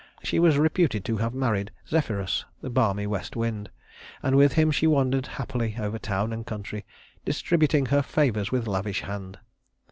She was reputed to have married Zephyrus, the balmy west wind, and with him she wandered happily over town and country, distributing her favors with lavish hand.